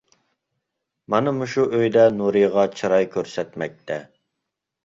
مانا مۇشۇ ئۆيدە نۇرىغا چىراي كۆرسەتمەكتە.